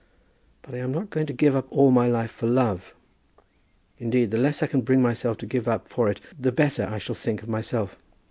But I am not going to give up all my life for love. Indeed the less I can bring myself to give up for it, the better I shall think of myself.